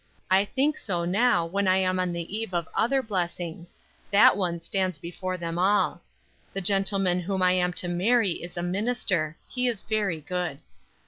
I think so now, when I am on the eve of other blessings; that one stands before them all. The gentleman whom I am to marry is a minister. He is very good.